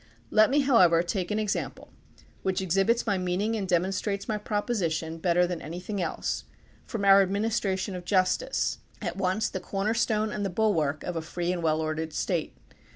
Let me, however, take an example, which exhibits my meaning and demonstrates my proposition better than anjrthing else, from our administration of justice, at once the corner stone and the bulwark of a free and well ordered state.